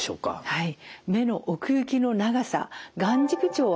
はい。